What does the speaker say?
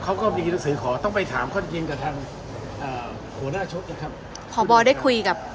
เขาก็มีการสั่งสื่อขอจะขอมากตามกับท่านผู้หน้าชดครับ